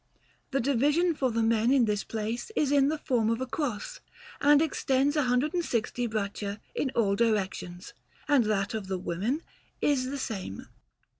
The division for the men in this place is in the form of a cross, and extends 160 braccia in all directions; and that of the women is the same.